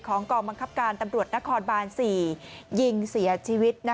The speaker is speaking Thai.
กองบังคับการตำรวจนครบาน๔ยิงเสียชีวิต